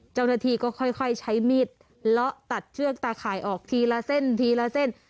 เจ้าหน้าที่ก็ค่อยใช้มีดละตัดเชือกตะไครออกทีละเส้น